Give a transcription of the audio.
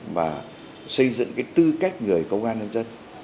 và xây dựng cái tư cách người công an